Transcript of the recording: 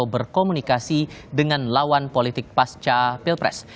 untuk berkomunikasi dengan lawan politik pas capil pres